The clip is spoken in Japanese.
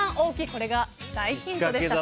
これが大ヒントでした。